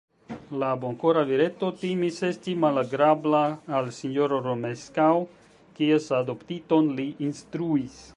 La bonkora vireto timis esti malagrabla al sinjoro Romeskaŭ, kies adoptiton li instruis.